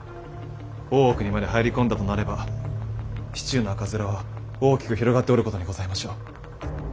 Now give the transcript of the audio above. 大奥にまで入り込んだとなれば市中の赤面は大きく広がっておることにございましょう。